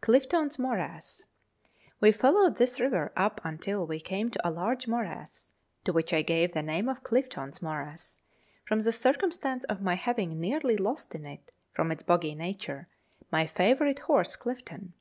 Clifton's Morass. We followed this river up until we came to a large morass, to which I gave the name of Clifton's Morass, from the circumstance of my having nearly lost in it, from its boggy nature, my favourite horse Clifton.